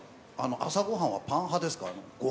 朝ごはんはパン派ですか？